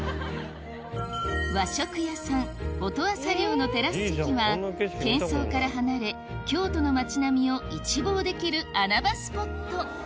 和食屋さんのテラス席は喧騒から離れ京都の街並みを一望できる穴場スポット